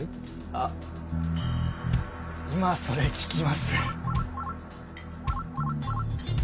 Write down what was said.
あっ今それ聞きます？